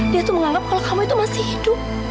dia tuh menganggap kalau kamu itu masih hidup